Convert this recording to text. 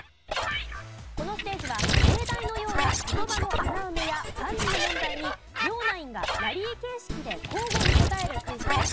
このステージは例題のような言葉の穴埋めや漢字の問題に両ナインがラリー形式で交互に答えるクイズです。